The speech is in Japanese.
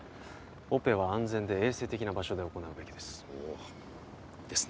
オペは安全で衛生的な場所で行うべきですおおですね